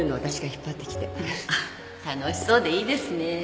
楽しそうでいいですね。